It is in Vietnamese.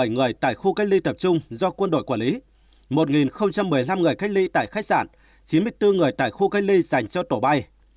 một mươi người tại khu cách ly tập trung do quân đội quản lý một một mươi năm người cách ly tại khách sạn chín mươi bốn người tại khu cách ly dành cho tổ bay